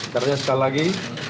karena sekali lagi